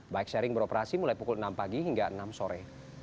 bike sharing beroperasi mulai pukul enam pagi hingga enam sore